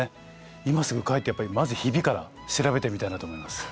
今すぐ帰ってやっぱりまずひびから調べてみたいなと思います。